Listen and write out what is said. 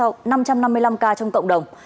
năm trăm năm mươi năm ca trong cộng đồng